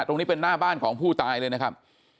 ตรงนี้เป็นหน้าบ้านของผู้ตายเลยนะครับ